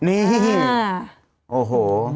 นี่โอ้โห